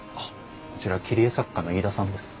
こちら切り絵作家の飯田さんです。